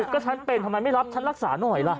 ก็ฉันเป็นทำไมไม่รับฉันรักษาหน่อยล่ะ